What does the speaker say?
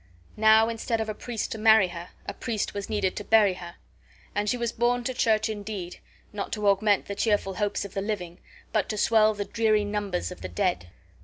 Now, instead of a priest to marry her, a priest was needed to bury her, and she was borne to church indeed, not to augment the cheerful hopes of the living, but to swell the dreary numbers of the dead.